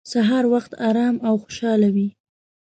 سهار وخت ارام او خوشحاله وي.